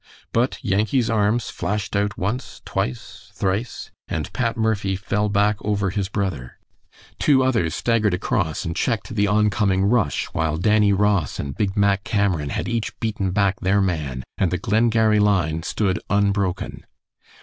But Yankee's arms flashed out once, twice, thrice, and Pat Murphy fell back over his brother; two others staggered across and checked the oncoming rush, while Dannie Ross and big Mack Cameron had each beaten back their man, and the Glengarry line stood unbroken.